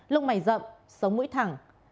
lông mảnh rậm sống mũi thẳng